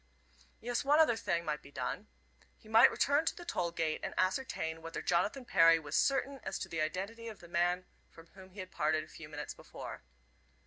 Yes, one other thing might be done. He might return to the toll gate and ascertain whether Jonathan Perry was certain as to the identity of the man from whom he had parted a few minutes before.